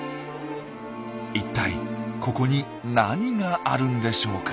一体ここに何があるんでしょうか？